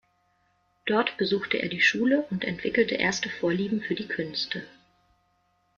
Dort besuchte er die Schule und entwickelte erste Vorlieben für die Künste.